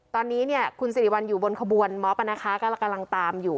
ตอนนี้คุณสิริวัลอยู่บนขบวนม็อบนะคะกำลังตามอยู่